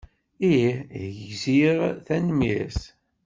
Ih, gziɣ, tanemmirt.